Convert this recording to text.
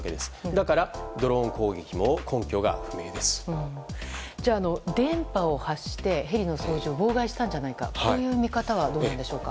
だからドローン攻撃もじゃあ、電波を発してヘリの操縦を妨害したという見方はどうでしょうか。